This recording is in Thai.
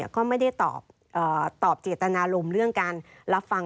ก็ไม่ได้ตอบเจตนารมณ์เรื่องการรับฟัง